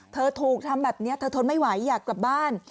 เธอถูกทำแบบนี้เธอทนไม่ไหวอยากกลับบ้าน